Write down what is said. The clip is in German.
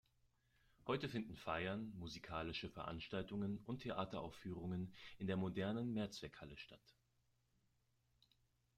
Heute finden Feiern, musikalische Veranstaltungen und Theateraufführungen in der modernen Mehrzweckhalle statt.